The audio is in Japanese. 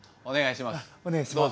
お願いします。